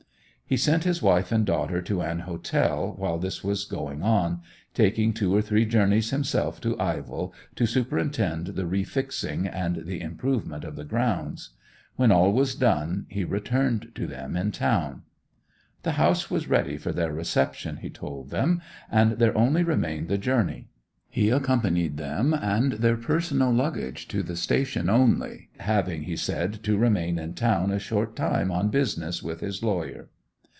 He sent his wife and daughter to an hotel while this was going on, taking two or three journeys himself to Ivell to superintend the refixing, and the improvement of the grounds. When all was done he returned to them in town. The house was ready for their reception, he told them, and there only remained the journey. He accompanied them and their personal luggage to the station only, having, he said, to remain in town a short time on business with his lawyer.